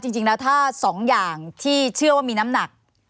จริงแล้วถ้าสองอย่างที่เชื่อว่ามีน้ำหนัก